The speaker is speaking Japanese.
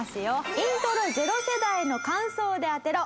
イントロゼロ世代の感想で当てろ！